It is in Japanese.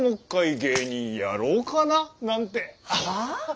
はあ？